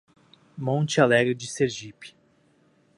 Monte Alegre de Sergipe